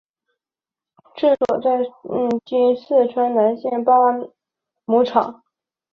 治所在今四川南江县南八庙场。